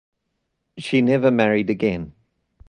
She never married again.